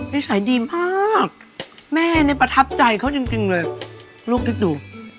นิสัยดีมากแม่นี่ประทับใจเขาจริงเลยลูกนึกดู